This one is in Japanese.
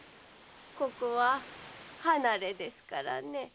ここは離れですからね。